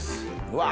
うわ。